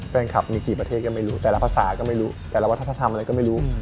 แฟนคลับมีกี่ประเทศก็ไม่รู้แต่ละภาษาก็ไม่รู้แต่ละวัฒนธรรมอะไรก็ไม่รู้